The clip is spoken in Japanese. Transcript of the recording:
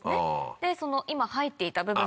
でその今生えていた部分が。